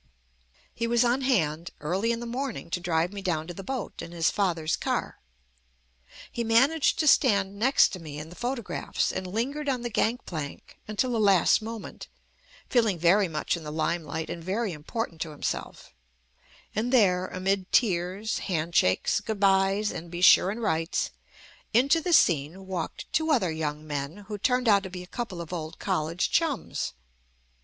He was «on hand early in the morning to drive me down to the boat in his father's car. He managed to stand next to me in the photo graphs and lingered on the gangplank until the last moment, feeling very much in the lime light and very important to himself; and there amid "tears, handshakes, good byes and be sure and writes 5 ' into the scene walked two other young men who turned out to be a couple of old college chums.